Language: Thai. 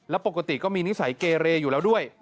แล้วปกติก็มีนิสัยเกเรอยู่แล้วด้วย